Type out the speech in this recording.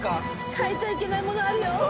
変えちゃいけないものあるよ。